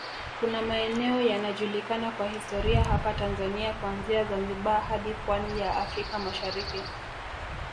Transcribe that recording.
Kuna maeneo yanajulikana kwa historia hapa Tanzania kuanzia Zanzibar hadi pwani ya Afrka Mashariki